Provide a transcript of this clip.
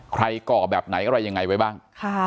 ก่อแบบไหนอะไรยังไงไว้บ้าง